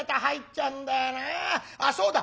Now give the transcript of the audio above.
あっそうだ！